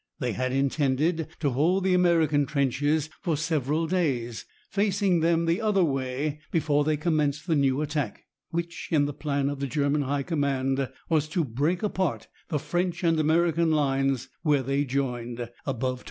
They had intended to hold the American trenches for several days, facing them the other way, before they commenced the new attack, which, in the plan of the German high command, was to break apart the French and American lines where they joined, above Toul.